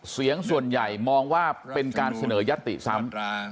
เสียงส่วนใหญ่มองว่าเป็นการเสนอยัตติซ้ำ